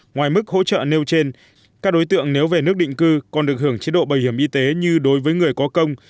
ngoài mức hỗ trợ nêu trên các đối tượng nếu về nước định cư còn được hưởng chế độ bảo hiểm y tế như đối với người có công